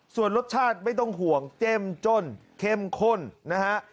ส่วนรสชาติไม่ต้องห่วงเจ้มจ้นเข้มข้นนะฮะ